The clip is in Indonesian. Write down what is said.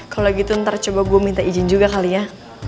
kalau gitu ntar coba gue minta izin juga kali ya